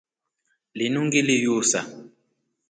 Linu ngili yuusa.